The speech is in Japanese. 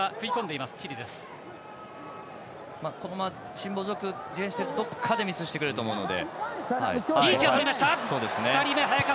このまま辛抱強くディフェンスしてるとどっかでミスしてくれると思うので。